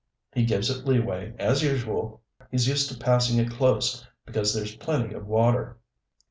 He gives it leeway as usual; he's used to passing it close because there's plenty of water.